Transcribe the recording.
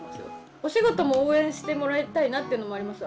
お仕事も応援してもらいたいなというのもありますよ。